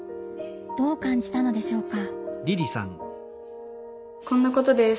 どう感じたのでしょうか？